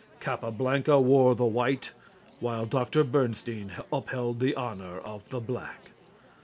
Capablanca wore the white, while Dr. Bernstein upheld the honor of the black.